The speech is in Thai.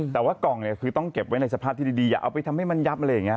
แต่ว่ากล่องเนี่ยคือต้องเก็บไว้ในสภาพที่ดีอย่าเอาไปทำให้มันยับอะไรอย่างนี้